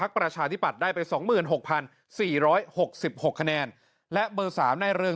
กายุ่ง